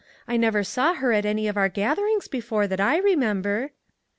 I never saw her at any of our gatherings before, that I remember."